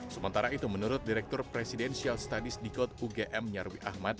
sementara itu menurut direktur presidensial studies di kod ugm nyarwi ahmad